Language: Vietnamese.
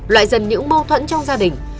loại dần những mâu thuẫn trong gia đình